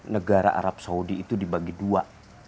negara arab saudi itu dibagi dua